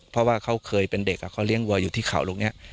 เพราะว่าเขาเคยเป็นเด็กเขาเลี้ยงวัวอยู่ที่เขาตรงนี้